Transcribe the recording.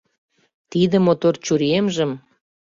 Тиде мотор чуриемжым